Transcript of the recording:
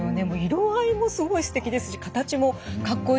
色合いもすごいすてきですし形もかっこいいですしね。